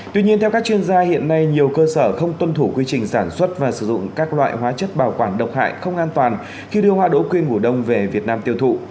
tuy nhiên theo các chuyên gia hiện nay nhiều cơ sở không tuân thủ quy trình sản xuất và sử dụng các loại hóa chất bảo quản độc hại không an toàn khi đưa hoa đỗ quyên mùa đông về việt nam tiêu thụ